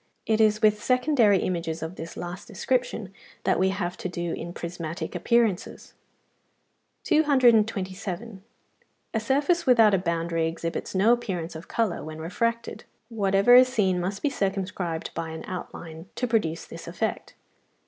It is with secondary images of this last description that we have to do in prismatic appearances. 227. A surface without a boundary exhibits no appearance of colour when refracted (195). Whatever is seen must be circumscribed by an outline to produce this effect.